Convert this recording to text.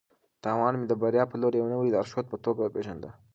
تاوان مې د بریا په لور د یوې نوې لارښود په توګه وپېژانده.